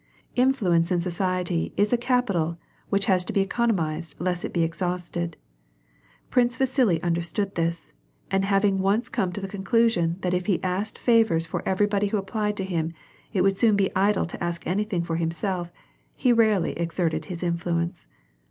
Influence in society is a capital which has to be economized lest it be exhausted. Prince Vasili understood this, and hav ing once come to the conclusion that if he asked favors for everybody who applied to him, it would soon be idle to ask anything for himself, he rarely exerted his influence.